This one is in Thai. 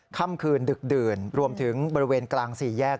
ค่ำคืนดึกดื่นรวมถึงบริเวณกลางสี่แยก